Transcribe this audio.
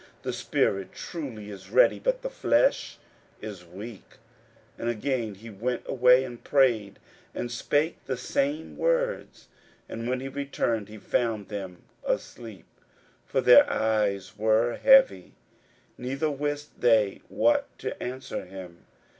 The spirit truly is ready, but the flesh is weak. 41:014:039 And again he went away, and prayed, and spake the same words. 41:014:040 And when he returned, he found them asleep again, (for their eyes were heavy,) neither wist they what to answer him.